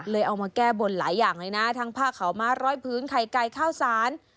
เอามาแก้บนหลายอย่างเลยนะทั้งผ้าขาวม้าร้อยพื้นไข่ไก่ข้าวสาร